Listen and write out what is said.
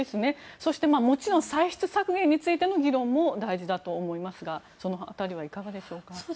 そしてもちろん歳出削減についての議論も大事だと思いますがその辺りはいかがでしょうか。